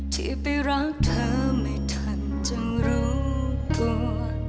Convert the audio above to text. ที่ไปรักเธอไม่ทันจึงรู้กลัว